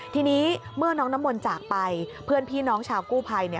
ทีนี้เมื่อน้องน้ำมนต์จากไปเพื่อนพี่น้องชาวกู้ภัย